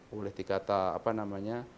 boleh dikata apa namanya